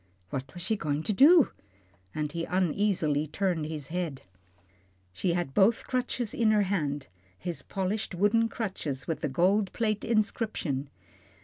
What was she going to do? and he uneasily turned his head. She had both his crutches in her hand his polished wooden crutches with the gold plate inscription.